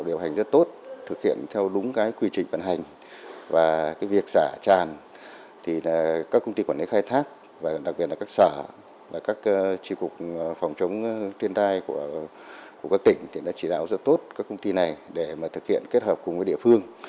đặc biệt là các sở và các tri cục phòng chống thiên tai của các tỉnh đã chỉ đạo rất tốt các công ty này để thực hiện kết hợp cùng với địa phương